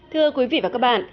thưa quý vị và các bạn